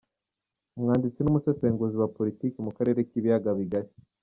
Umwaditsi, n’umusesenguzi wa Politiki ku karere k’ibiyaga bigari.